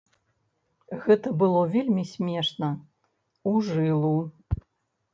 Гэта было вельмі смешна, у жылу.